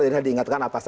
ini diingatkan atas